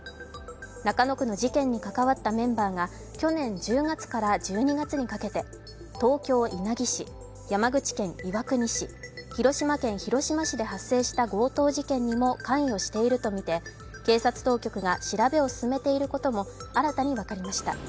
中野区の事件に関わったメンバーが去年１０月から１２月にかけて東京・稲城市、山口県岩国市、広島県広島市で発生した強盗事件にも関与しているとみて警察当局が調べを進めていることも新たに分かりました。